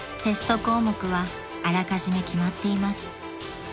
［テスト項目はあらかじめ決まっています］